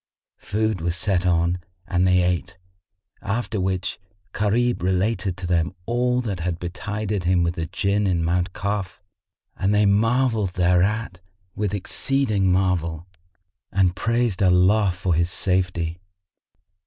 Food was set on and they ate, after which Gharib related to them all that had betided him with the Jinn in Mount Kaf, and they marvelled thereat with exceeding marvel and praised Allah for his safety.